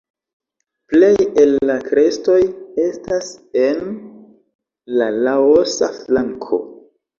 Plej el la krestoj estas en la Laosa flanko.